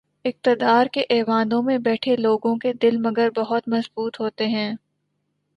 اقتدار کے ایوانوں میں بیٹھے لوگوں کے دل، مگر بہت مضبوط ہوتے ہیں۔